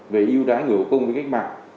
về ưu đãi người hữu công với cách mạng